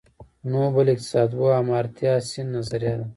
نوبل اقتصادپوه آمارتیا سېن نظريه ده.